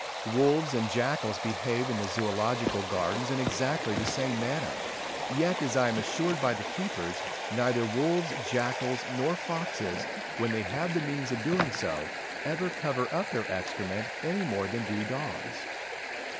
Wolves and jackals behave in the Zoological Gardens in exactly the same manner, yet, as I am assured by the keepers, neither wolves, jackals, nor foxes, when they have the means of doing so, ever cover up their excrement, any more than do dogs.